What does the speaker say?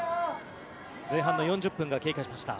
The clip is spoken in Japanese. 前半の４０分が経過しました。